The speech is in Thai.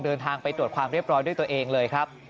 เดินทางไปตรวจความเรียบร้อยด้วยตัวเองเลยครับ